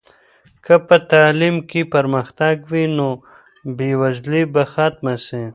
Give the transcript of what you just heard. که په تعلیم کې پرمختګ وي نو بې وزلي به ختمه سي.